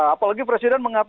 apalagi presiden mengatakan